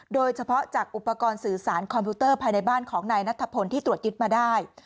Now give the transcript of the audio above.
โดยเฉพาะจากอุปกรณ์สื่อสารคอมพิวเตอร์ภายในบ้านของนายนัทพลที่ตรวจยึดมาได้